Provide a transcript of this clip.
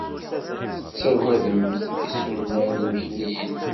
Tettagademt isunan imekniyen.